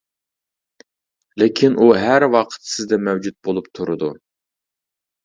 لېكىن ئۇ ھەر ۋاقىت سىزدە مەۋجۇت بولۇپ تۇرىدۇ.